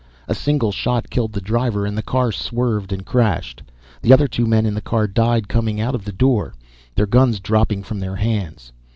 A single shot killed the driver and the car swerved and crashed. The other two men in the car died coming out of the door, their guns dropping from their hands.